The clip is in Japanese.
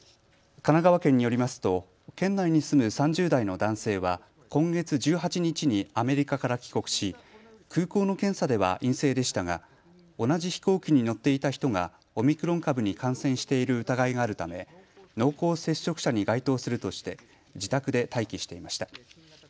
神奈川県によりますと県内に住む３０代の男性は今月１８日にアメリカから帰国し空港の検査では陰性でしたが同じ飛行機に乗っていた人がオミクロン株に感染している疑いがあるため濃厚接触者に該当するとして自宅で待機していました。